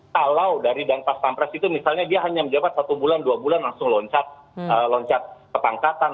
kalau dari dan pas pampres itu misalnya dia hanya menjabat satu bulan dua bulan langsung loncat kepangkatan